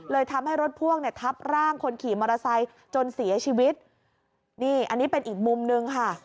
ทำให้รถพ่วงเนี่ยทับร่างคนขี่มอเตอร์ไซค์จนเสียชีวิตนี่อันนี้เป็นอีกมุมนึงค่ะ